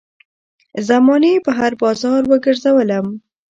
زمانې په هـــــر بازار وګرځــــــــــولم